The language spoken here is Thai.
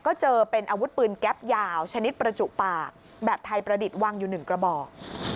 ก็เจอเป็นอาวุธปืนแก๊ปยาวชนิดประจุปากแบบไทยประดิษฐ์วางอยู่๑กระบอก